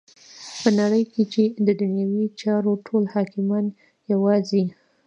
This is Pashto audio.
په نړی کی چی ددنیوی چارو ټول حاکمان یواځی